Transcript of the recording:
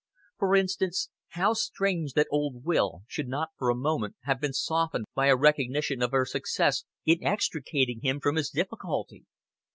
For instance, how strange that old Will should not for a moment have been softened by a recognition of her success in extricating him from his difficulty!